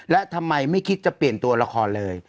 และทำไมไม่คิดจะเปลี่ยนตัวละครเลย